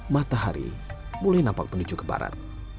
matahari mulai nampak menuju ke barat